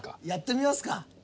やってみますか。